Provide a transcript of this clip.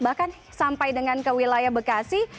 bahkan sampai dengan ke wilayah bekasi